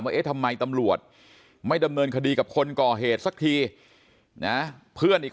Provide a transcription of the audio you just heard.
เอ๊ะทำไมตำรวจไม่ดำเนินคดีกับคนก่อเหตุสักทีนะเพื่อนอีก